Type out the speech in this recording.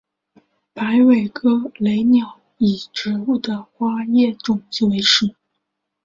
白尾雷鸟以植物的花叶种子为食。